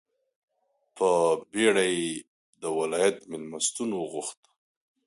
په بېړه یې د ولایت مېلمستون وغوښت.